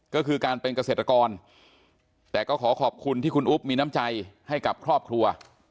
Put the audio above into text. ก็คือการเป็นเกษตรกรแต่ก็ขอขอบคุณที่คุณอุ๊บมีน้ำใจให้กับครอบครัว